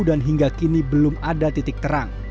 dan hingga kini belum ada titik terang